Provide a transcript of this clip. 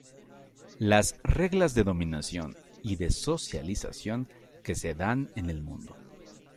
Las reglas de dominación y de socialización que se dan en el mundo